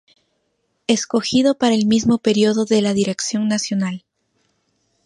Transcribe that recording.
Escogido para el mismo periodo de la Dirección Nacional.